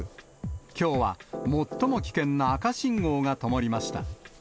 きょうは最も危険な赤信号がともりました。